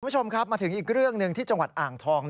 คุณผู้ชมครับมาถึงอีกเรื่องหนึ่งที่จังหวัดอ่างทอง